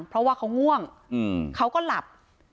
เพราะว่าเขาง่วงเขาก็หลับ